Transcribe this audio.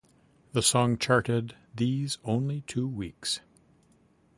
The song charted these only two weeks.